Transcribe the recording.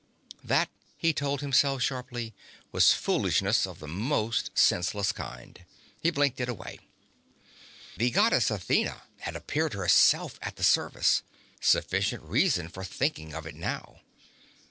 That, he told himself sharply, was foolishness of the most senseless kind. He blinked it away. The Goddess Athena had appeared herself at the service sufficient reason for thinking of it now.